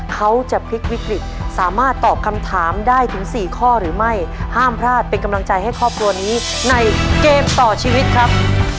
เขาจะพลิกวิกฤตสามารถตอบคำถามได้ถึง๔ข้อหรือไม่ห้ามพลาดเป็นกำลังใจให้ครอบครัวนี้ในเกมต่อชีวิตครับ